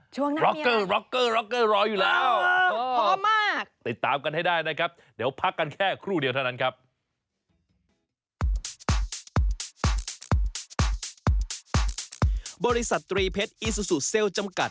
ช่วงหน้ามีอะไรนะครับร็อกเกอร์ร็อกเกอร์ร็อกเกอร์รออยู่แล้ว